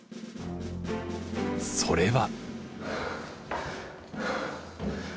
それは！